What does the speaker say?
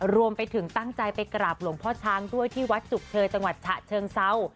รวมไปถึงตั้งใจไปกราบหลวงพ่อช้างด้วยที่วัดจุกเชยจังหวัดฉะเชิงเซา